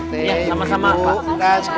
terima kasih pt